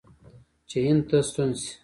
چې هند ته ستون شي.